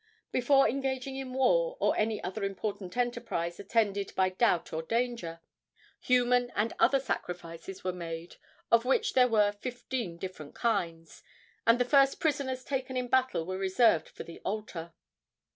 Before engaging in war or any other important enterprise attended by doubt or danger, human and other sacrifices were made, of which there were fifteen different kinds, and the first prisoners taken in battle were reserved for the altar.